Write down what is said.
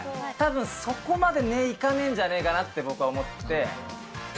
たぶんそこまで値いかねえんじゃねえかなって僕は思って。